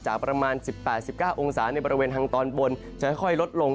ประมาณ๑๘๑๙องศาในบริเวณทางตอนบนจะค่อยลดลง